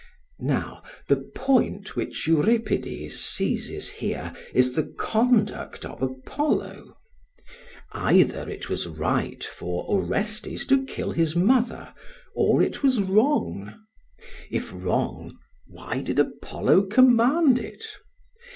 Now the point which Euripides seizes here is the conduct of Apollo. Either it was right for Orestes to kill his mother, or it was wrong. If wrong, why did Apollo command it?